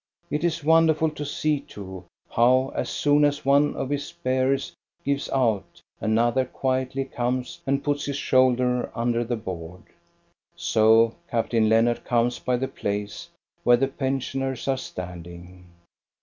It is wonderful to see, too, how, as soon as one of his bearers gives out, another quietly comes and puts his shoulder under the board. So Captain . Lennart comes by the place where the pensioners are standing.